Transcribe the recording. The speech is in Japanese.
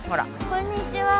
「こんにちは」